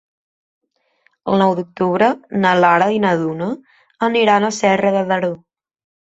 El nou d'octubre na Lara i na Duna aniran a Serra de Daró.